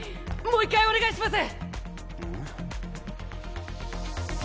もう１回お願いします！